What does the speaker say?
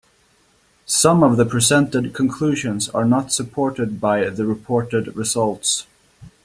Some of the presented conclusions are not supported by the reported results.